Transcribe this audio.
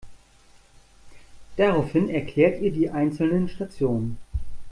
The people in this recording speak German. Daraufhin erklärt ihr die einzelnen Stationen.